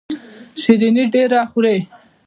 شیریني ډیره خورئ؟